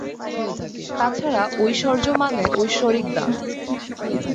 তাছাড়া ঐশ্বর্য মানে ঐশ্বরিক দান।